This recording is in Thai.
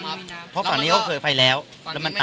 เพราะฝั่งนี้เขาเคยไปแล้วแล้วมันไป